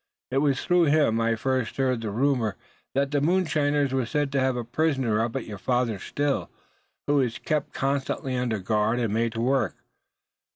It was through him I first heard the rumor that the moonshiners were said to have a prisoner up at your father's Still, who was kept constantly under guard, and made to work.